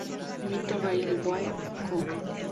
Mito Railway Co.